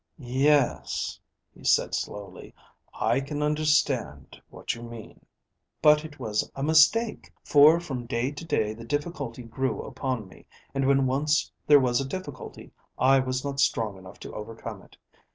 "Yes," he said, slowly, "I can understand what you mean." "But it was a mistake; for from day to day the difficulty grew upon me, and when once there was a difficulty, I was not strong enough to overcome it.